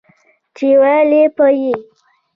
چې وييل به يې